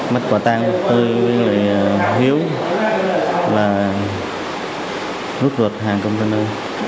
mắt quả tan tư với hiếu và nút ruột hàng công ty nơi